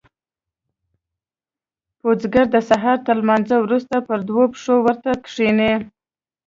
پوجيگر د سهار تر لمانځه وروسته پر دوو پښو ورته کښېني.